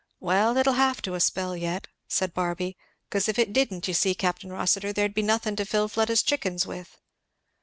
"Well, it'll have to a spell yet," said Barby, "'cause if it didn't, you see, Capt. Rossitur, there'd be nothing to fill Fleda's chickens with."